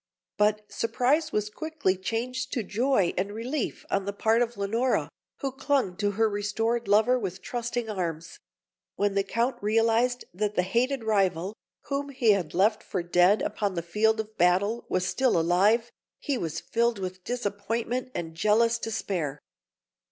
But surprise was quickly changed to joy and relief on the part of Leonora, who clung to her restored lover with trusting arms; and when the Count realised that the hated rival, whom he had left for dead upon the field of battle, was still alive, he was filled with disappointment and jealous despair.